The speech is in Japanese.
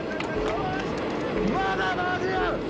まだ間に合う！